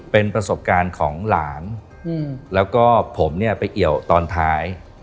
เป็นประสบการณ์ของหลานแล้วก็ผมเนี่ยไปเอี่ยวตอนท้าย